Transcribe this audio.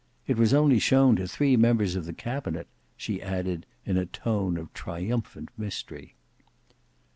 It was only shown to three members of the cabinet," she added in a tone of triumphant mystery.